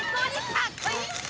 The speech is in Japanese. かっこいいっす！